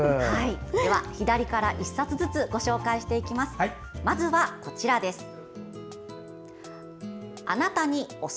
では、左から１冊ずつご紹介していきます。